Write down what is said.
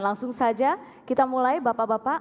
langsung saja kita mulai bapak bapak